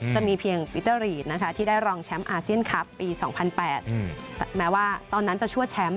จะมีเพียงปีเตอร์รีดนะคะที่ได้รองแชมป์อาเซียนคลับปี๒๐๐๘แม้ว่าตอนนั้นจะชั่วแชมป์